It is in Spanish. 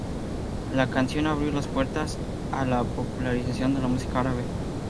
La canción abrió las puertas a la popularización de la música árabe.